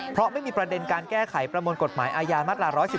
เพราะไม่มีประเด็นการแก้ไขประมวลกฎหมายอาญามาตรา๑๑๒